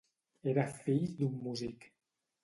Era fill d'un músic.